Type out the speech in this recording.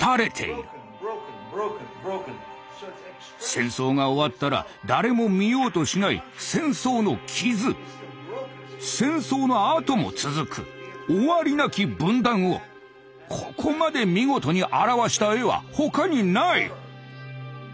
戦争が終わったら誰も見ようとしない戦争の「傷」戦争のあとも続く「終わりなき分断」をここまで見事に表した絵は他にない。